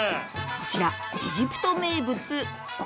こちらエジプト名物コシャリ。